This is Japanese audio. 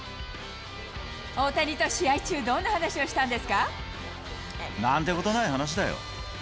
大谷と試合中、どんな話をしたんですか？なんてことない話だよ。